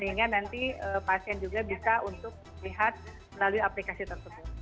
sehingga nanti pasien juga bisa untuk melihat melalui aplikasi tersebut